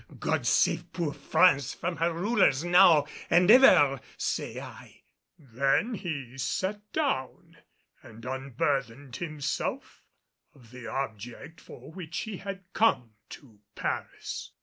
God save poor France from her rulers now and ever, say I." Then he sat down and unburthened himself of the object for which he had come to Paris.